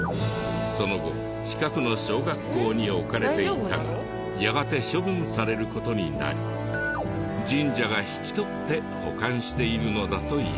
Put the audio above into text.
その後近くの小学校に置かれていたがやがて処分される事になり神社が引き取って保管しているのだという。